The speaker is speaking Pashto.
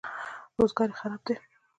روزګار یې خراب دی.